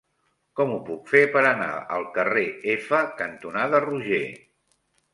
Com ho puc fer per anar al carrer F cantonada Roger?